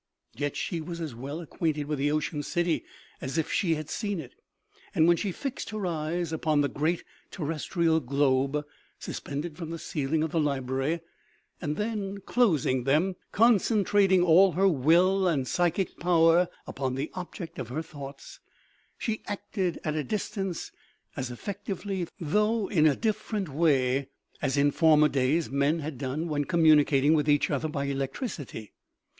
Yet she was as well acquainted with the ocean city as if she had seen it, and when she fixed her eyes upon the great terrestrial globe suspended from the ceiling of the library, and then, closing them, concentrated all her will and psychic power upon the object of her thoughts, she acted at a distance as effectively, though in a dif ferent way, as in former days men had done when communicating with each other by electricity.